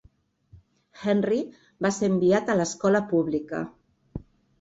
Henry va ser enviat a l'escola pública.